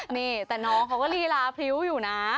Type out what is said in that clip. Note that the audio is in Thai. นี่แต่น้องเขาก็ลีลาพริ้วอยู่นะ